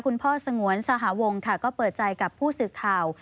สงวนสหวงค่ะก็เปิดใจกับผู้สื่อข่าว